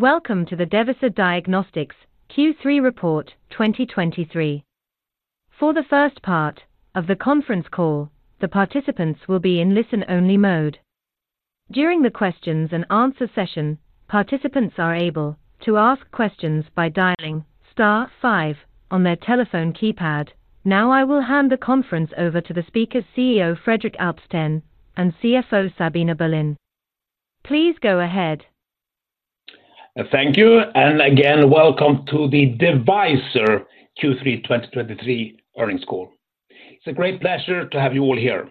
Welcome to the Devyser Diagnostics Q3 Report 2023. For the first part of the conference call, the participants will be in listen-only mode. During the questions-and-answer session, participants are able to ask questions by dialing star five on their telephone keypad. Now, I will hand the conference over to the speaker, CEO Fredrik Alpsten, and CFO Sabina Berlin. Please go ahead. Thank you, and again, welcome to the Devyser Q3 2023 earnings call. It's a great pleasure to have you all here.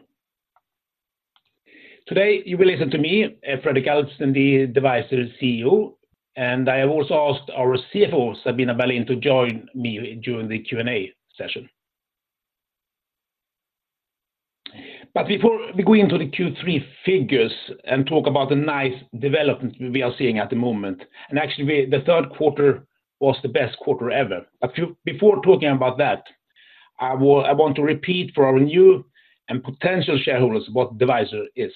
Today, you will listen to me, Fredrik Alpsten, the Devyser CEO, and I have also asked our CFO, Sabina Berlin, to join me during the Q&A session. But before we go into the Q3 figures and talk about the nice development we are seeing at the moment, and actually, the third quarter was the best quarter ever. But first, before talking about that, I want to repeat for our new and potential shareholders what Devyser is.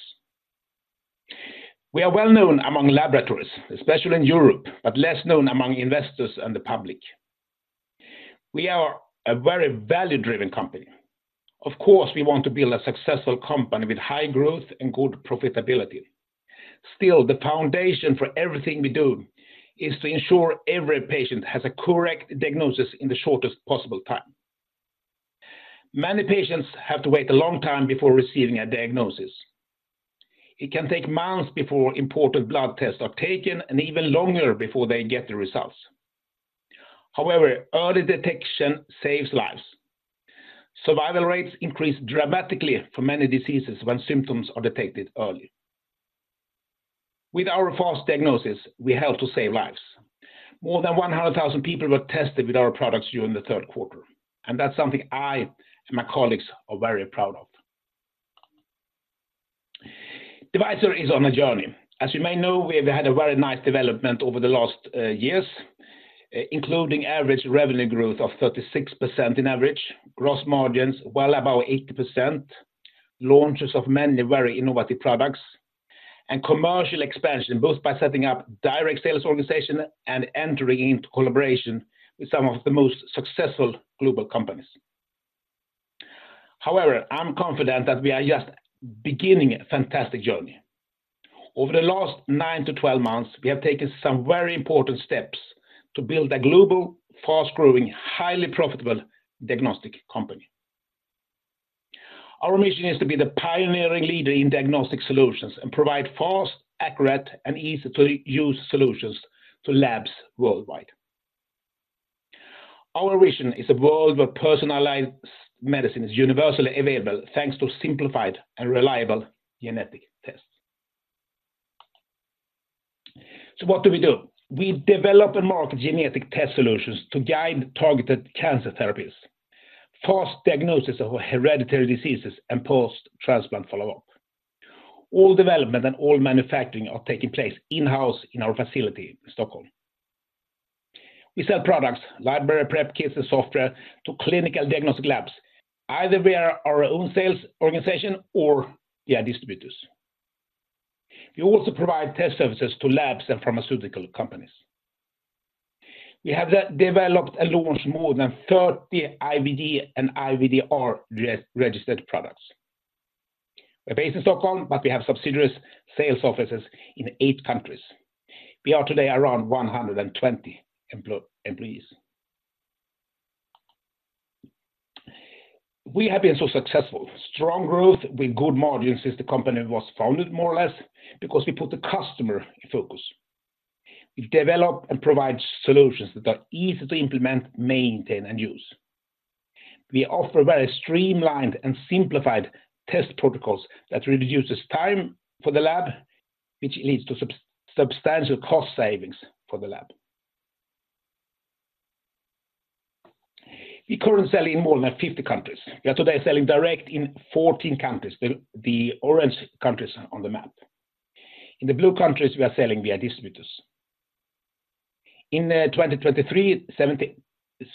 We are well known among laboratories, especially in Europe, but less known among investors and the public. We are a very value-driven company. Of course, we want to build a successful company with high growth and good profitability. Still, the foundation for everything we do is to ensure every patient has a correct diagnosis in the shortest possible time. Many patients have to wait a long time before receiving a diagnosis. It can take months before important blood tests are taken and even longer before they get the results. However, early detection saves lives. Survival rates increase dramatically for many diseases when symptoms are detected early. With our fast diagnosis, we help to save lives. More than 100,000 people were tested with our products during the third quarter, and that's something I and my colleagues are very proud of. Devyser is on a journey. As you may know, we have had a very nice development over the last years, including average revenue growth of 36% in average, gross margins well above 80%, launches of many very innovative products, and commercial expansion, both by setting up direct sales organization and entering into collaboration with some of the most successful global companies. However, I'm confident that we are just beginning a fantastic journey. Over the last 9-12 months, we have taken some very important steps to build a global, fast-growing, highly profitable diagnostic company. Our mission is to be the pioneering leader in diagnostic solutions and provide fast, accurate, and easy-to-use solutions to labs worldwide. Our vision is a world where personalized medicine is universally available, thanks to simplified and reliable genetic tests. So what do we do? We develop and market genetic test solutions to guide targeted cancer therapies, fast diagnosis of hereditary diseases, and post-transplant follow-up. All development and all manufacturing are taking place in-house in our facility in Stockholm. We sell products, library prep kits, and software to clinical diagnostic labs, either via our own sales organization or via distributors. We also provide test services to labs and pharmaceutical companies. We have developed and launched more than 30 IVD and IVDR re-registered products. We're based in Stockholm, but we have subsidiaries, sales offices in 8 countries. We are today around 120 employees. We have been so successful. Strong growth with good margins since the company was founded, more or less, because we put the customer in focus. We've developed and provide solutions that are easy to implement, maintain, and use. We offer very streamlined and simplified test protocols that reduces time for the lab, which leads to substantial cost savings for the lab. We currently sell in more than 50 countries. We are today selling direct in 14 countries, the orange countries on the map. In the blue countries, we are selling via distributors. In 2023,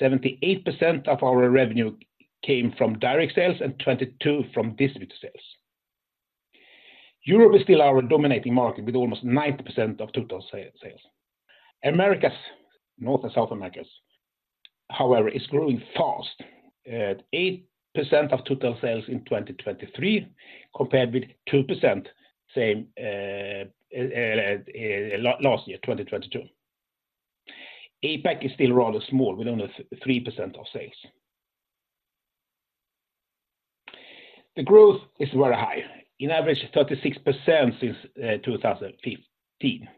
78% of our revenue came from direct sales and 22% from distributor sales. Europe is still our dominating market, with almost 90% of total sales. Americas, North and South Americas, however, is growing fast, at 8% of total sales in 2023, compared with 2%, same last year, 2022. APAC is still rather small, with only 3% of sales. The growth is very high, in average, 36% since 2015,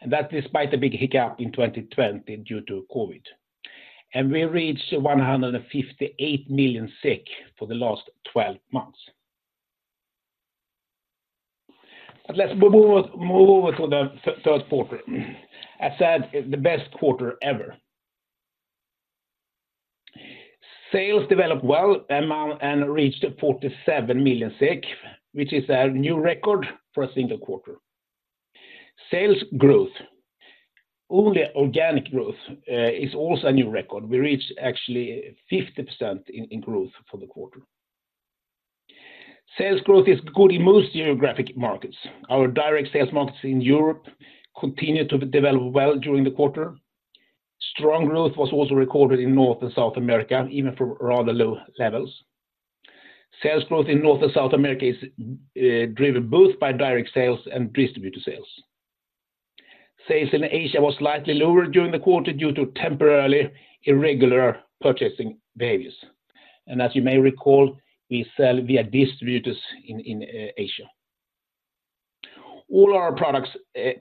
and that despite a big hiccup in 2020 due to COVID, and we reached 158 million for the last twelve months. But let's move over to the third quarter. I said, it's the best quarter ever. Sales developed well, and reached 47 million, which is a new record for a single quarter. Sales growth, only organic growth, is also a new record. We reached actually 50% in growth for the quarter. Sales growth is good in most geographic markets. Our direct sales markets in Europe continued to develop well during the quarter. Strong growth was also recorded in North and South America, even from rather low levels. Sales growth in North and South America is driven both by direct sales and distributor sales. Sales in Asia was slightly lower during the quarter due to temporarily irregular purchasing behaviors. As you may recall, we sell via distributors in Asia. All our products,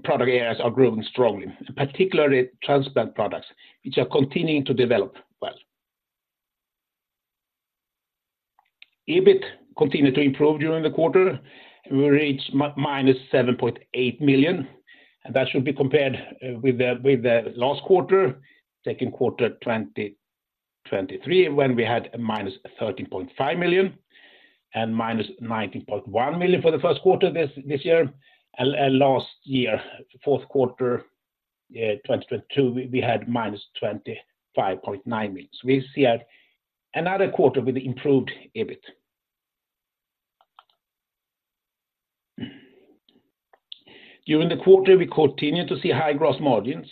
product areas are growing strongly, particularly transplant products, which are continuing to develop well. EBIT continued to improve during the quarter, and we reached -7.8 million, and that should be compared with the last quarter, second quarter 2023, when we had a -13.5 million and -19.1 million for the first quarter this year. And last year, fourth quarter 2022, we had -25.9 million. So we see another quarter with improved EBIT. During the quarter, we continued to see high gross margins,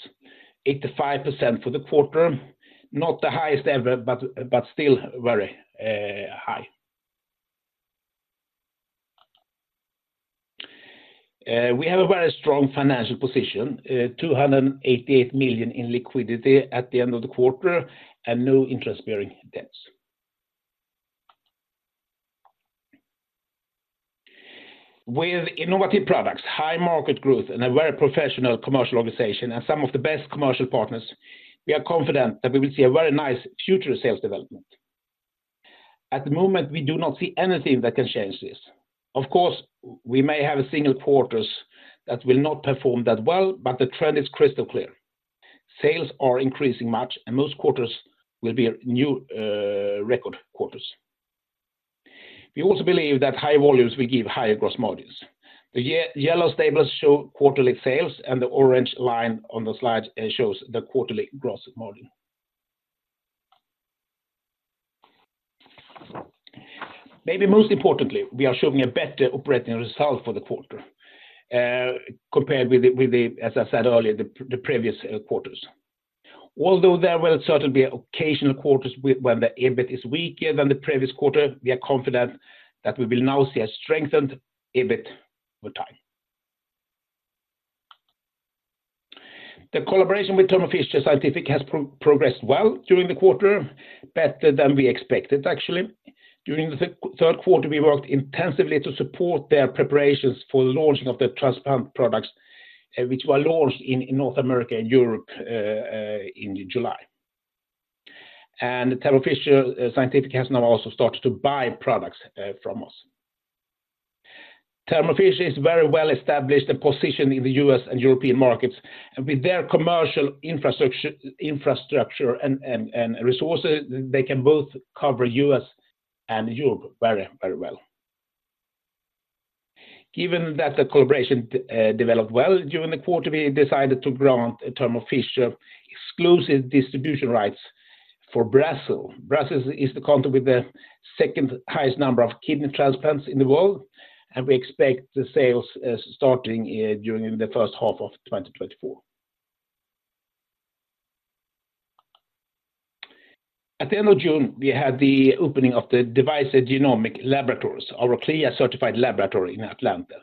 85% for the quarter. Not the highest ever, but, but still very high. We have a very strong financial position, 288 million in liquidity at the end of the quarter, and no interest-bearing debts. With innovative products, high market growth, and a very professional commercial organization, and some of the best commercial partners, we are confident that we will see a very nice future sales development. At the moment, we do not see anything that can change this. Of course, we may have single quarters that will not perform that well, but the trend is crystal clear. Sales are increasing much, and most quarters will be a new record quarters. We also believe that high volumes will give higher gross margins. The yellow tables show quarterly sales, and the orange line on the slide shows the quarterly gross margin. Maybe most importantly, we are showing a better operating result for the quarter, compared with the, as I said earlier, the previous quarters. Although there will certainly be occasional quarters when the EBIT is weaker than the previous quarter, we are confident that we will now see a strengthened EBIT over time. The collaboration with Thermo Fisher Scientific has progressed well during the quarter, better than we expected, actually. During the third quarter, we worked intensively to support their preparations for launching of the transplant products, which were launched in North America and Europe in July. And Thermo Fisher Scientific has now also started to buy products from us. Thermo Fisher is very well established, the position in the U.S. and European markets, and with their commercial infrastructure and resources, they can both cover U.S. and Europe very, very well. Given that the collaboration developed well during the quarter, we decided to grant Thermo Fisher exclusive distribution rights for Brazil. Brazil is the country with the second highest number of kidney transplants in the world, and we expect the sales starting during the first half of 2024. At the end of June, we had the opening of the Devyser Genomic Laboratories, our CLIA-certified laboratory in Atlanta.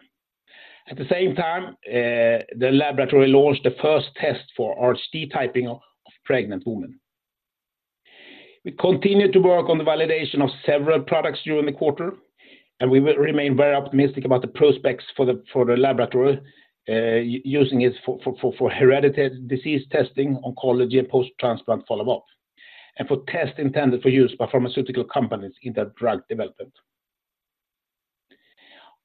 At the same time, the laboratory launched the first test for RHD typing of pregnant women. We continued to work on the validation of several products during the quarter, and we will remain very optimistic about the prospects for the laboratory using it for hereditary disease testing, oncology, and post-transplant follow-up, and for tests intended for use by pharmaceutical companies in the drug development.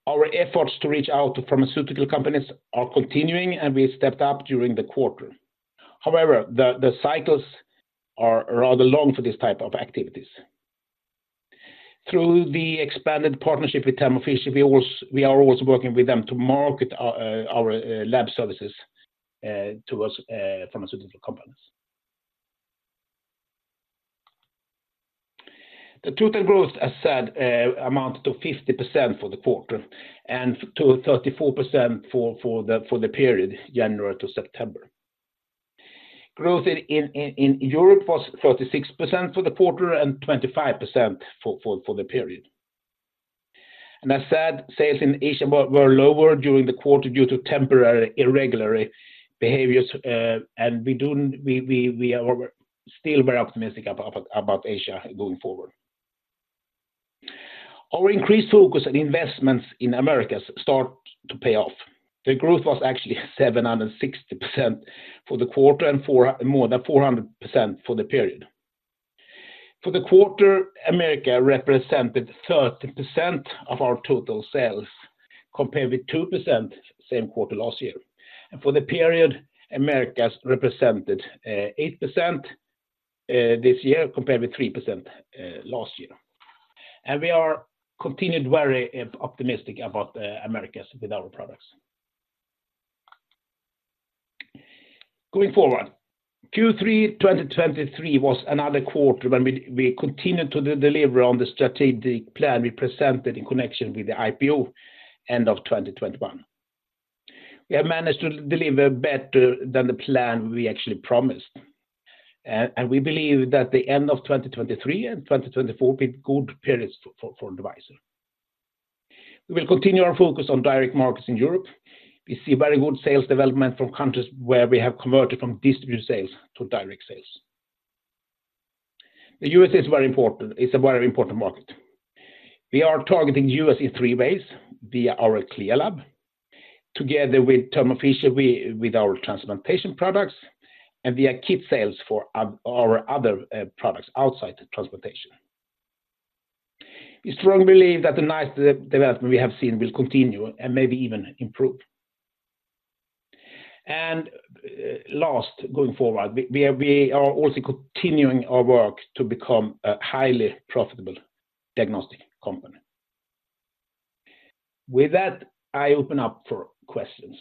Our efforts to reach out to pharmaceutical companies are continuing, and we stepped up during the quarter. However, the cycles are rather long for this type of activities. Through the expanded partnership with Thermo Fisher, we are always working with them to market our lab services towards pharmaceutical companies. The total growth, as said, amounted to 50% for the quarter and to 34% for the period, January to September. Growth in Europe was 36% for the quarter and 25% for the period. As said, sales in Asia were lower during the quarter due to temporary irregular behaviors, and we are still very optimistic about Asia going forward. Our increased focus and investments in Americas start to pay off. The growth was actually 760% for the quarter and more than 400% for the period. For the quarter, Americas represented 30% of our total sales, compared with 2%, same quarter last year. For the period, Americas represented 8% this year, compared with 3% last year. We are continued very optimistic about Americas with our products. Going forward, Q3 2023 was another quarter when we continued to deliver on the strategic plan we presented in connection with the IPO, end of 2021. We have managed to deliver better than the plan we actually promised. And we believe that the end of 2023 and 2024 be good periods for Devyser. We will continue our focus on direct markets in Europe. We see very good sales development from countries where we have converted from distributed sales to direct sales. The U.S. is very important, it's a very important market. We are targeting U.S. in three ways: via our CLIA lab, together with Thermo Fisher, with our transplantation products, and via kit sales for our other products outside the transplantation. We strongly believe that the nice development we have seen will continue and maybe even improve. And, last, going forward, we are also continuing our work to become a highly profitable diagnostic company. With that, I open up for questions.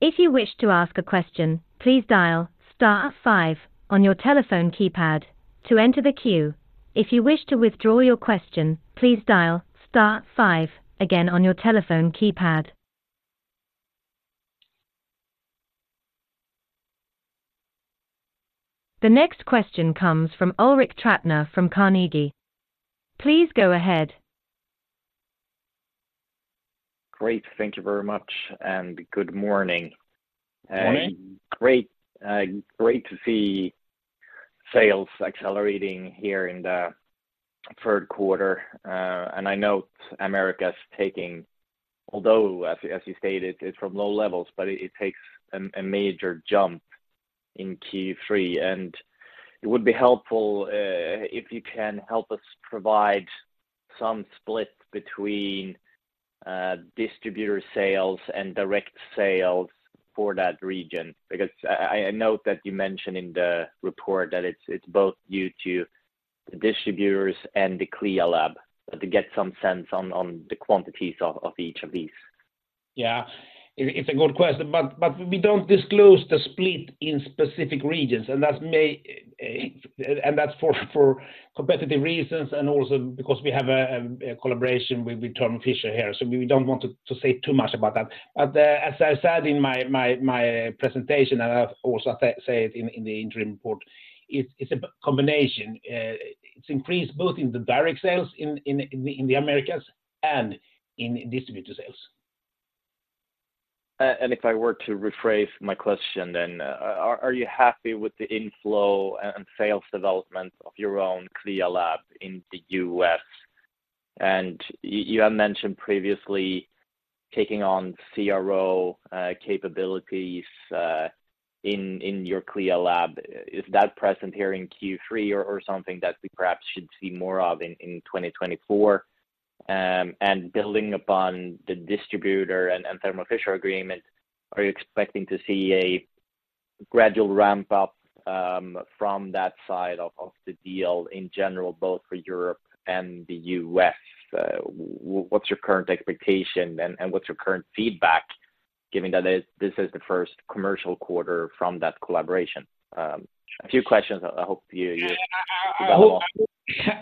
If you wish to ask a question, please dial star five on your telephone keypad to enter the queue. If you wish to withdraw your question, please dial star five again on your telephone keypad. The next question comes from Ulrik Trattner, from Carnegie. Please go ahead. Great. Thank you very much, and good morning. Morning. Great, great to see sales accelerating here in the third quarter. And I note Americas taking, although as you stated, it's from low levels, but it takes a major jump in Q3. And it would be helpful, if you can help us provide some split between, distributor sales and direct sales for that region. Because I note that you mentioned in the report that it's both due to the distributors and the CLIA lab, to get some sense on the quantities of each of these. Yeah. It's a good question, but we don't disclose the split in specific regions, and that's mainly for competitive reasons, and also because we have a collaboration with Thermo Fisher here, so we don't want to say too much about that. But, as I said in my presentation, and I've also said it in the interim report, it's a combination. It's increased both in the direct sales in the Americas and in distributor sales. And if I were to rephrase my question then, are you happy with the inflow and sales development of your own CLIA lab in the U.S.? And you have mentioned previously taking on CRO capabilities in your CLIA lab. Is that present here in Q3 or something that we perhaps should see more of in 2024? And building upon the distributor and Thermo Fisher agreement, are you expecting to see a gradual ramp up from that side of the deal in general, both for Europe and the U.S.? What's your current expectation, and what's your current feedback, given that this is the first commercial quarter from that collaboration? A few questions I hope you-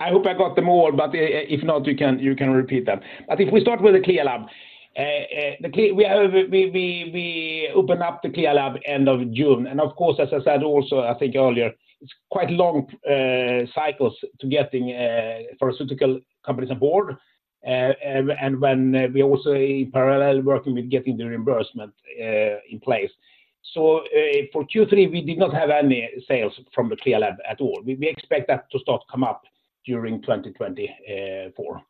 I hope I got them all, but if not, you can repeat them. But if we start with the CLIA lab, we opened up the CLIA lab end of June. And of course, as I said also, I think earlier, it's quite long cycles to getting pharmaceutical companies on board. And when we also in parallel working with getting the reimbursement in place. So for Q3, we did not have any sales from the CLIA lab at all. We expect that to start come up during 2024.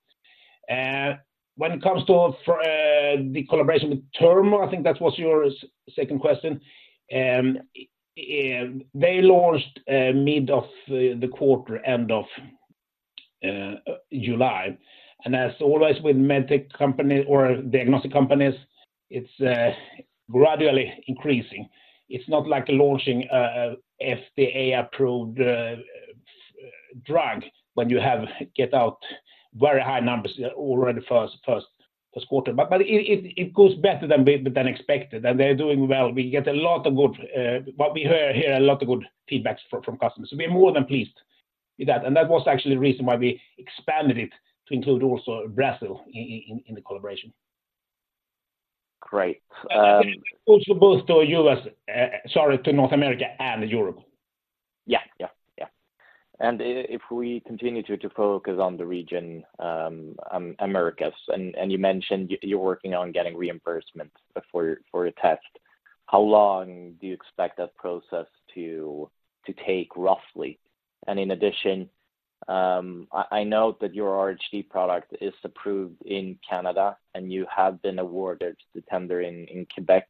When it comes to the collaboration with Thermo, I think that was your second question. They launched mid of the quarter, end of July. And as always, with med tech company or diagnostic companies, it's gradually increasing. It's not like launching a FDA-approved drug, when you have to get out very high numbers already first quarter. But it goes better than expected, and they're doing well. We hear a lot of good feedback from customers. So we're more than pleased with that, and that was actually the reason why we expanded it to include also Brazil in the collaboration. Great, uh- Also both to U.S., sorry, to North America and Europe. Yeah, yeah, yeah. And if we continue to focus on the region, Americas, and you mentioned you're working on getting reimbursements for a test. How long do you expect that process to take, roughly? And in addition, I note that your RHD product is approved in Canada, and you have been awarded the tender in Québec.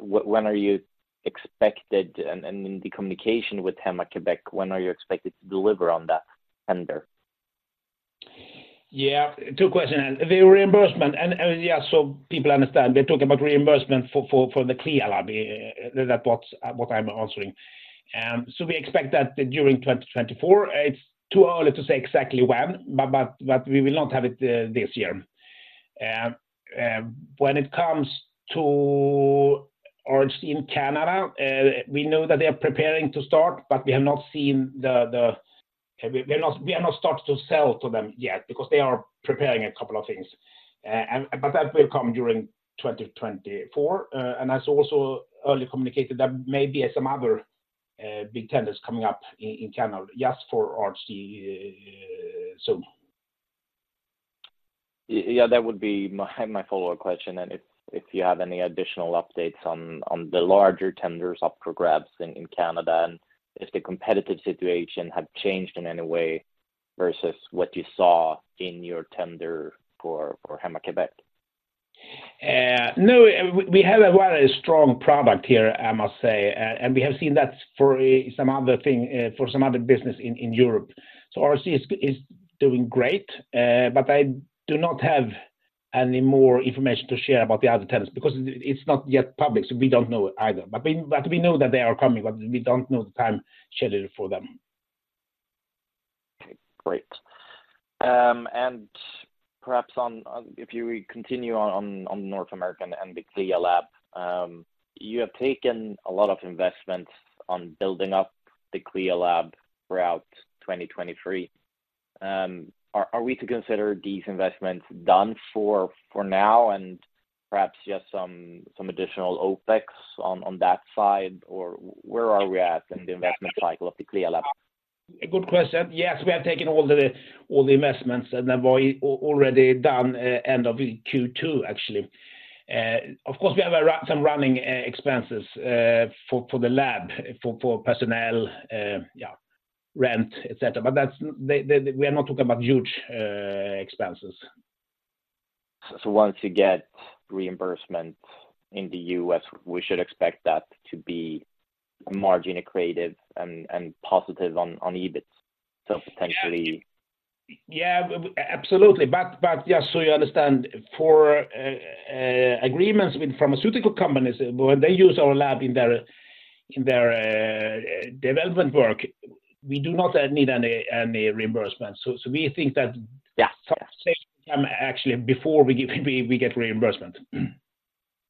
When are you expected, and in the communication with Héma-Québec, when are you expected to deliver on that tender? Yeah, two questions. The reimbursement, and yeah, so people understand, we're talking about reimbursement for the CLIA lab. That's what I'm answering. So we expect that during 2024. It's too early to say exactly when, but we will not have it this year. When it comes to RHD in Canada, we know that they are preparing to start, but we have not started to sell to them yet because they are preparing a couple of things. But that will come during 2024. And as also early communicated, there may be some other big tenders coming up in Canada just for RHD, so. Yeah, that would be my follow-up question. And if you have any additional updates on the larger tenders up for grabs in Canada, and if the competitive situation have changed in any way versus what you saw in your tender for Héma-Québec? No, we have a very strong product here, I must say, and we have seen that for some other thing, for some other business in Europe. So RC is doing great, but I do not have any more information to share about the other tenders because it, it's not yet public, so we don't know either. But we know that they are coming, but we don't know the time schedule for them. Okay, great. And perhaps if you continue on North America and the CLIA lab, you have taken a lot of investment on building up the CLIA lab throughout 2023. Are we to consider these investments done for now, and perhaps just some additional OpEx on that side, or where are we at in the investment cycle of the CLIA lab? A good question. Yes, we have taken all the, all the investments, and they were already done end of Q2, actually. Of course, we have some running expenses for the lab, for personnel, yeah, rent, et cetera. But that's, we are not talking about huge expenses. So once you get reimbursement in the U.S., we should expect that to be margin accretive and positive on EBIT. So potentially- Yeah, absolutely. But just so you understand, for agreements with pharmaceutical companies, when they use our lab in their development work, we do not need any reimbursement. So we think that- Yeah Some time, actually, before we give, we get reimbursement.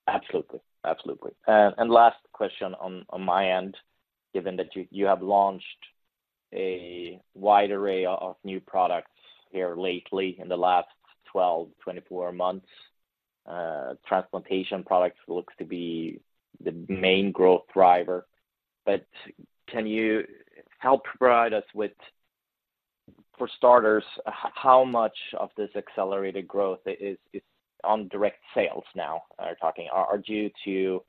Absolutely. Absolutely. Last question on my end, given that you have launched a wide array of new products here lately in the last 12, 24 months, transplantation products looks to be the main growth driver. But can you help provide us with, for starters, how much of this accelerated growth is on direct sales now, due to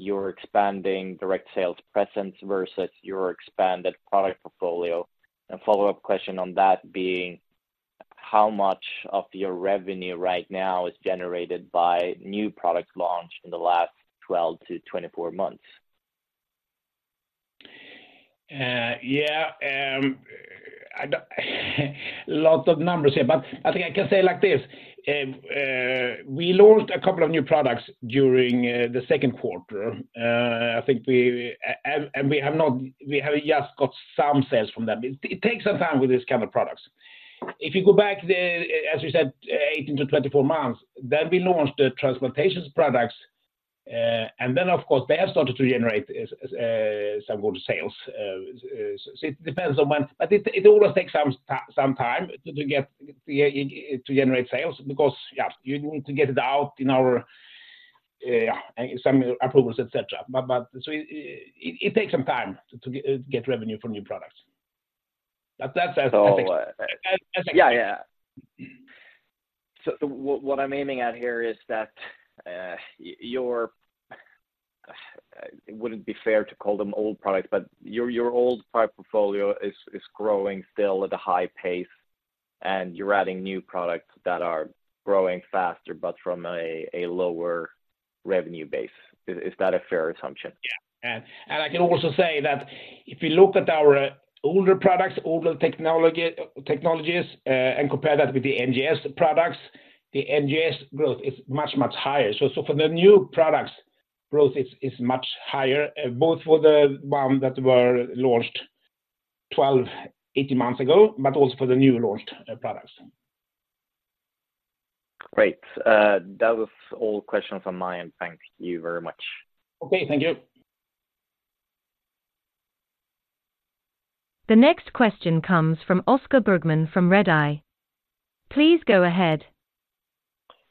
your expanding direct sales presence versus your expanded product portfolio? And follow-up question on that being, how much of your revenue right now is generated by new products launched in the last 12 to 24 months? Lots of numbers here, but I think I can say like this, we launched a couple of new products during the second quarter. I think we have just got some sales from them. It takes some time with this kind of products. If you go back, as you said, 18-24 months, then we launched the transplantation products, and then, of course, they have started to generate some good sales. So it depends on when, but it always takes some time to generate sales because, yeah, you need to get it out and get some approvals, et cetera. So it takes some time to get revenue from new products. That's, I think- Yeah, yeah. So what I'm aiming at here is that your old products, but your old product portfolio is growing still at a high pace, and you're adding new products that are growing faster, but from a lower revenue base. Is that a fair assumption? Yeah. And I can also say that if you look at our older products, older technology, technologies, and compare that with the NGS products, the NGS growth is much, much higher. So for the new products, growth is much higher, both for the one that were launched 12, 18 months ago, but also for the new launched products. Great. That was all questions on my end. Thank you very much. Okay, thank you. The next question comes from Oscar Bergman, from Redeye. Please go ahead.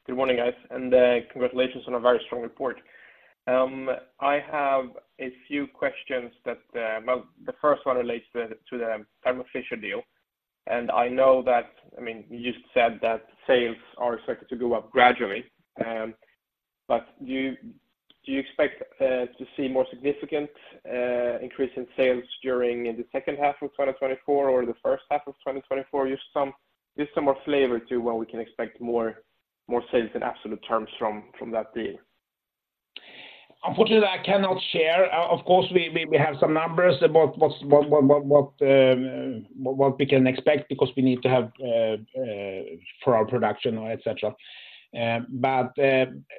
Good morning, guys, and congratulations on a very strong report. I have a few questions that, well, the first one relates to the Thermo Fisher deal, and I know that, I mean, you said that sales are expected to go up gradually, but do you expect to see more significant increase in sales during the second half of 2024 or the first half of 2024? Just some more flavor to when we can expect more sales in absolute terms from that deal. Unfortunately, I cannot share. Of course, we have some numbers about what we can expect because we need to have for our production, et cetera. But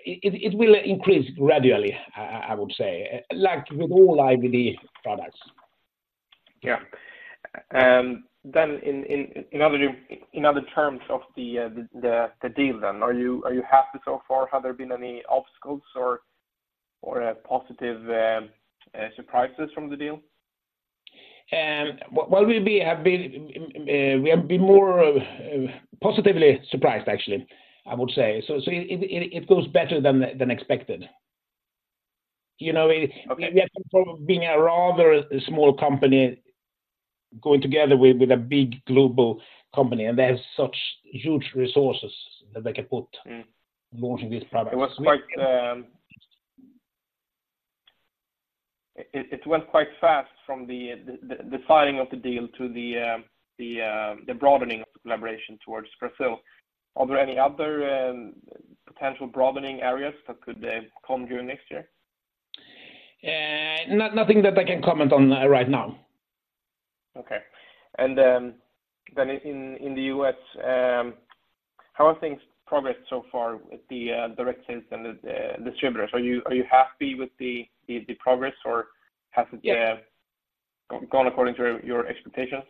it will increase gradually, I would say, like, with all IVD products. Yeah. Then in other terms of the deal, are you happy so far? Have there been any obstacles or positive surprises from the deal? Well, we have been more positively surprised, actually, I would say. So, it goes better than expected. You know, it- Okay. We have been a rather small company going together with a big global company, and they have such huge resources that they can put- Mm. Launching this product. It was quite, it went quite fast from the signing of the deal to the broadening of the collaboration towards Brazil. Are there any other potential broadening areas that could come during next year? Nothing that I can comment on, right now. Okay. And then in the U.S., how have things progressed so far with the direct sales and the distributors? Are you happy with the progress, or has it Yeah... gone according to your expectations?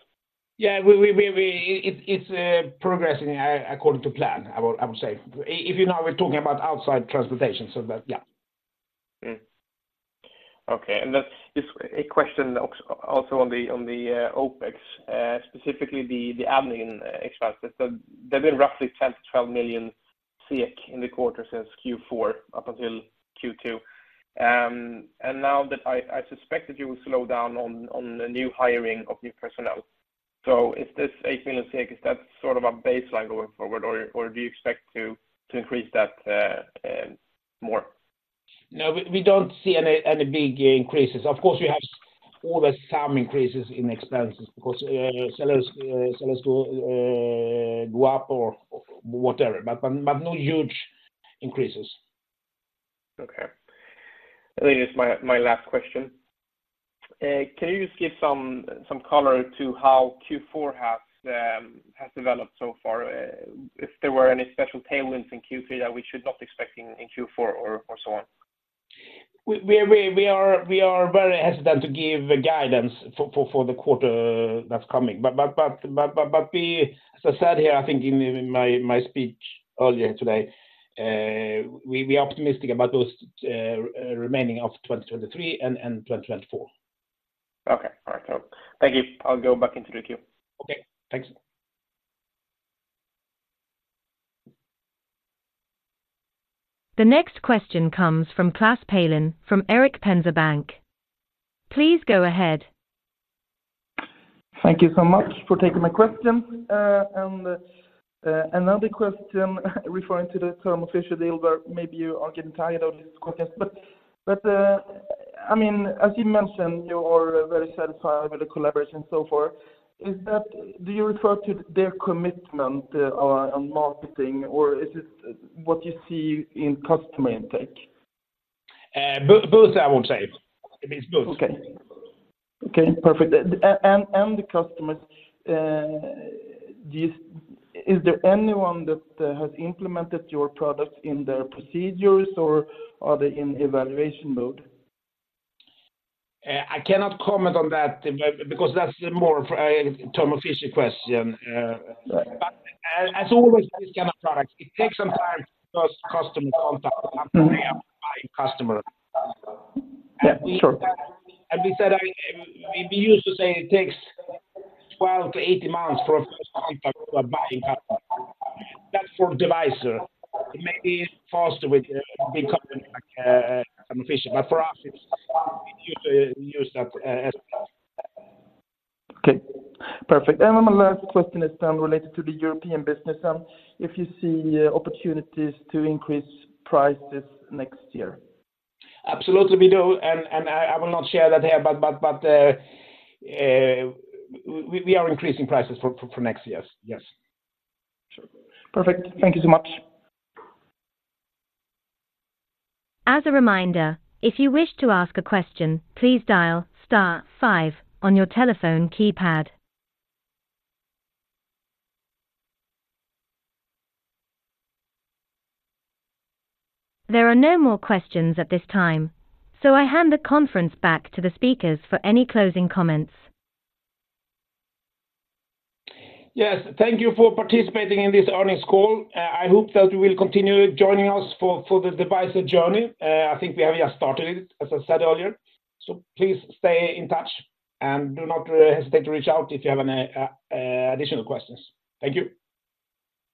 Yeah, it's progressing according to plan, I would say. If you know, we're talking about outside transplantation, so yeah. Okay, and that's just a question also on the OpEx, specifically the admin expenses. So there have been roughly 10 million- 12 million SEK in the quarter since Q4 up until Q2. And now that I suspect that you will slow down on the new hiring of new personnel. So is this 18 SEK, is that sort of a baseline going forward, or do you expect to increase that more? No, we don't see any big increases. Of course, we have always some increases in expenses because salaries go up or whatever, but no huge increases. Okay. Then this is my last question. Can you just give some color to how Q4 has developed so far, if there were any special tailwinds in Q3 that we should not expect in Q4 or so on? We are very hesitant to give guidance for the quarter that's coming. But we, as I said here, I think in my speech earlier today, we are optimistic about those remaining of 2023 and 2024. Okay. All right. Thank you. I'll go back into the queue. Okay, thanks. The next question comes from Klas Palin, from Erik Penser Bank. Please go ahead. Thank you so much for taking my question. Another question referring to the Thermo Fisher deal, where maybe you are getting tired of these questions, I mean, as you mentioned, you are very satisfied with the collaboration so far. Is that—do you refer to their commitment on marketing, or is it what you see in customer intake? Both, I would say. It means both. Okay. Okay, perfect. And the customers, is there anyone that has implemented your products in their procedures, or are they in evaluation mode? I cannot comment on that because that's more a Thermo Fisher question. Right. But as always, this kind of product, it takes some time for first customer contact- Mm-hmm... buying customer. Yeah, sure. As we said, I mean, we used to say it takes 12-18 months for a first contact, a buying customer. That's for Devyser. It may be faster with a big company like Thermo Fisher, but for us, it's, we usually use that as well. Okay, perfect. My last question is then related to the European business, if you see opportunities to increase prices next year? Absolutely, we do. And I will not share that here, but we are increasing prices for next year. Yes. Sure. Perfect. Thank you so much. As a reminder, if you wish to ask a question, please dial star five on your telephone keypad. There are no more questions at this time, so I hand the conference back to the speakers for any closing comments. Yes, thank you for participating in this earnings call. I hope that you will continue joining us for the Devyser journey. I think we have just started it, as I said earlier. So please stay in touch, and do not hesitate to reach out if you have any additional questions. Thank you.